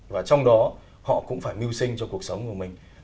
và trong đó họ cũng phải mưu sinh cho cuộc sống của mình